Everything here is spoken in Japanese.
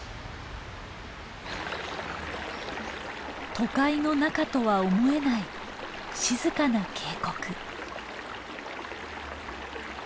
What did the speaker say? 都会の中とは思えない静かな渓谷。